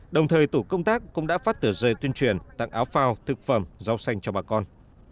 đồng thời tổ công tác cũng đã phát tờ rơi tuyên truyền tặng áo phao thực phẩm rau xanh cho bà con